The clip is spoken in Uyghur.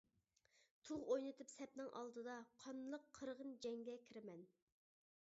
تۇغ ئوينىتىپ سەپنىڭ ئالدىدا، قانلىق قىرغىن جەڭگە كىرىمەن.